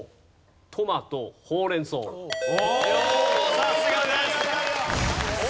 おおさすがです！